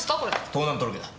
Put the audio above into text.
盗難届だ。